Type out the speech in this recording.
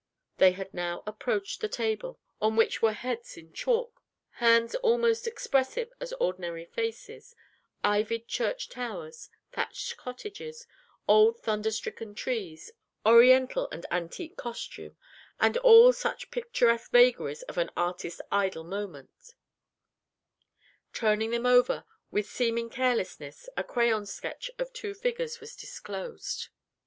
They had now approached the table, on which were heads in chalk, hands almost as expressive as ordinary faces, ivied church towers, thatched cottages, old thunder stricken trees, Oriental and antique costume, and all such picturesque vagaries of an artist's idle moments. Turning them over, with seeming carelessness, a crayon sketch of two figures was disclosed.